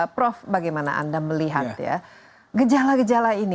prof bagaimana anda melihat ya gejala gejala ini